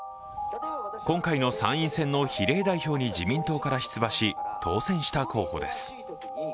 今回の参院選の比例代表に自民党から出馬し当選した候補です。